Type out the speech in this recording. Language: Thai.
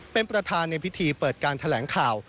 เป็นประธานในพิธีเปิดการแถลงข่าว